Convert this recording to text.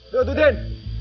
đưa tôi tiền